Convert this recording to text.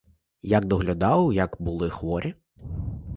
Як доглядав, як були хворі?